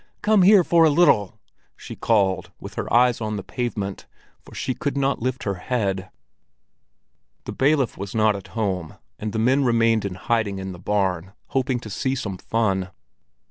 Come here for a little!" she called, with her eyes on the pavement, for she could not lift her head. The bailiff was not at home, and the men remained in hiding in the barn, hoping to see some fun.